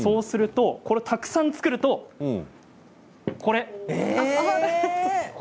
たくさん作ると、これ。